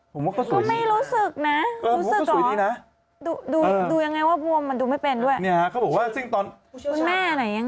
ผมว่าก็สวยดีนะรู้สึกหรอดูยังไงว่าบวมมันดูไม่เป็นด้วยคุณแม่ไหนยังไง